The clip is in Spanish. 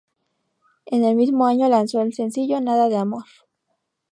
En el mismo año lanzó el sencillo "Nada de amor".